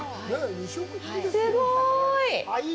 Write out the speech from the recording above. すごーい！